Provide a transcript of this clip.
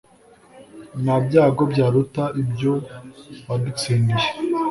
Nta byago byaruta ibyo wadutsindiye.